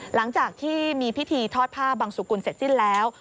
หลังจากที่มีพิธีทอดผ้าบังสุกุลเสร็จสิ้นแล้ว